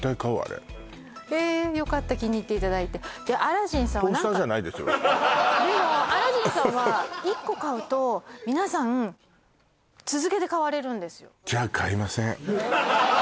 よかった気に入っていただいてでアラジンさんはでもアラジンさんは１個買うと皆さん続けて買われるんですよ